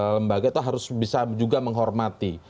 lembaga itu harus bisa juga menghormati